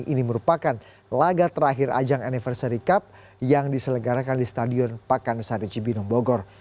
ini merupakan laga terakhir ajang anniversary cup yang diselenggarakan di stadion pakansari cibinong bogor